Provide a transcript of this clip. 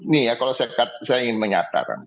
nih ya kalau saya ingin menyatakan